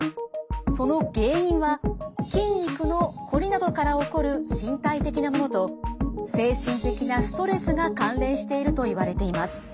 その原因は筋肉のこりなどから起こる身体的なものと精神的なストレスが関連しているといわれています。